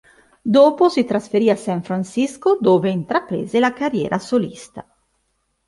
Dopo si trasferì a San Francisco dove intraprese la carriera solista.